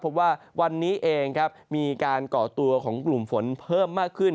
พบว่าวันนี้เองครับมีการก่อตัวของกลุ่มฝนเพิ่มมากขึ้น